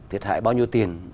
thiệt hại bao nhiêu tiền